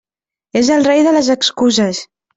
És el rei de les excuses.